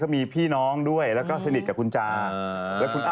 มีพี่น้องด้วยแล้วก็สนิทกับคุณจา